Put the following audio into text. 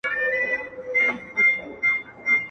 لږه توده سومه زه.